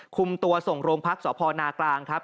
คุมตัวส่งโรงพักษ์สพนกครับ